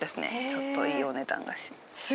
ちょっといいお値段がします